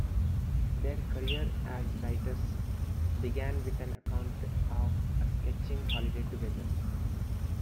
Their career as writers began with an account of a sketching holiday together.